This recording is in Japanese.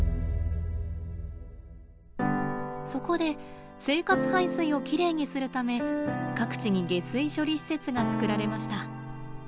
そこで生活排水をきれいにするため各地に下水処理施設がつくられました。